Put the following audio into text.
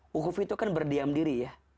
hukuf itu kan berdiam diri ya